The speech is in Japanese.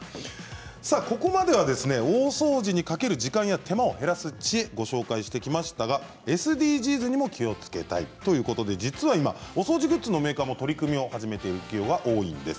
ここまでは大掃除にかける時間や手間を減らす知恵をご紹介してきましたがＳＤＧｓにも気をつけたいということで実は今お掃除グッズのメーカーも取り組みを始めていることが多いんです。